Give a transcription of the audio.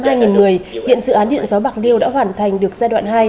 hiện dự án điện gió bạc liêu đã hoàn thành được giai đoạn hai